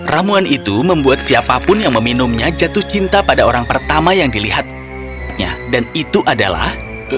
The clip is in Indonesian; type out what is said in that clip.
ramuan itu membuat siapapun yang meminumnya jatuh cinta pada orang pertama yang dilihatnya dan itu adalah